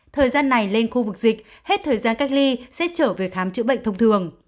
thời gian này lên khu vực dịch hết thời gian cách ly sẽ trở về khám chữa bệnh thông thường